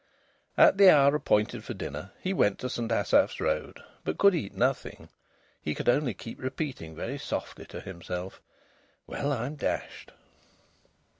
At the hour appointed for dinner he went to St Asaph's Road, but could eat nothing. He could only keep repeating very softly to himself, "Well, I'm dashed!"